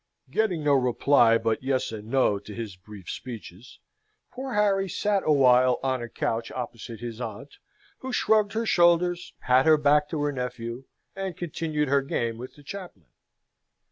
Getting no reply but Yes and No to his brief speeches, poor Harry sat a while on a couch opposite his aunt, who shrugged her shoulders, had her back to her nephew, and continued her game with the chaplain.